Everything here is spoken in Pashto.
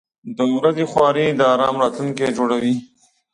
• د ورځې خواري د آرام راتلونکی جوړوي.